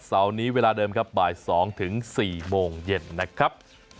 เสาร์นี้เวลาเดิมครับบ่าย๒ถึง๔โมงเย็นนะครับ